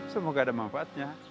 semoga ada manfaatnya